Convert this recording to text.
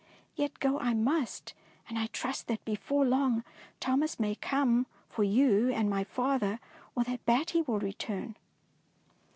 Yet go I must, and I trust that before long Thomas may come for you and my father, or that Batty will return."